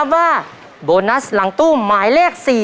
ทักออกลูกไปออกไป